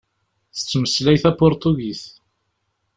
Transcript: Tettmeslay tapuṛtugit.